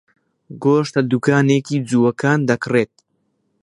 گۆشت لە دوکانێکی جووەکان دەکڕێت.